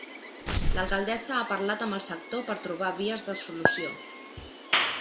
L'alcaldessa ha parlat amb el sector per trobar vies de solució.